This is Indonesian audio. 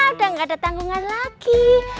udah gak ada tanggungan lagi